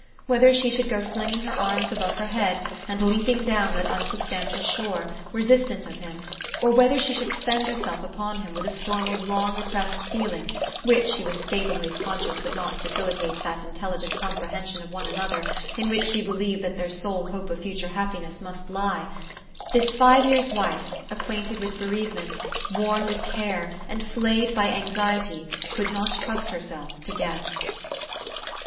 Whether she should go flinging her arms above her head, and leaping down that unsubstantial shore, resistant of him ; or whether she should spend herself upon him with a storm of long repressed feeling, which she was scathingly conscious would not facilitate that intelligent comprehension of one another in which she believed that their sole hope of future happiness must lie, this five years wife, acquainted with bereavements, worn with care, and flaj'ed by anxiety, could not trust herself to guess.